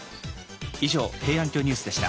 以上「平安京ニュース」でした。